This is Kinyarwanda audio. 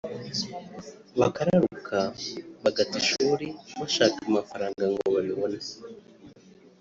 bakararuka bagata ishuri bashaka amafaranga ngo babibone